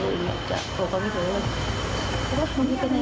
แล้วพวกมันนี่เป็นไงครับเว้ยเขาพูดอย่างนี้